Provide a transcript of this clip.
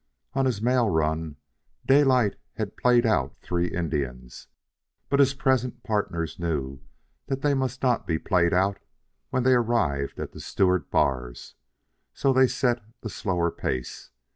On his mail run Daylight had played out three Indians; but his present partners knew that they must not be played out when they arrived at the Stewart bars, so they set the slower pace.